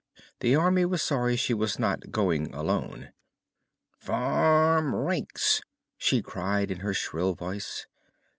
The Army was sorry she was not going alone. "Form ranks!" she cried in her shrill voice.